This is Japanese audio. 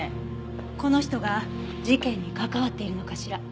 この人が事件に関わっているのかしら？